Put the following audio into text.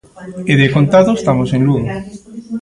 E de contado estamos en Lugo.